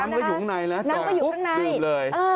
คือน้ำก็อยู่ข้างในแล้วน้ำก็อยู่ข้างในอื้อ